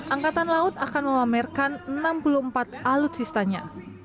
angkatan laut akan memamerkan enam puluh empat alutsistanya